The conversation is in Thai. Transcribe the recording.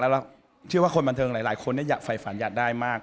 เราเชื่อว่าคนบันเทิงหลายคนไฟฝันอยากได้มาก